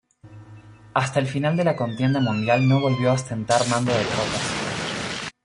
Hasta el final de la contienda mundial no volvió a ostentar mando de tropas.